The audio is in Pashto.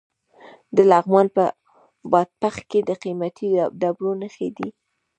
د لغمان په بادپخ کې د قیمتي ډبرو نښې دي.